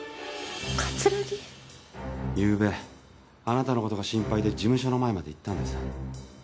ゆうべあなたのことが心配で事務所の前まで行ったんです。